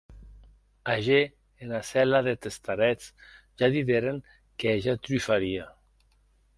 Ager ena cèla deth starets ja dideren que hèja trufaria.